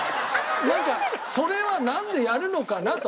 なんかそれはなんでやるのかな？と。